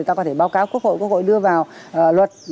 ta có thể báo cáo quốc hội đưa vào luật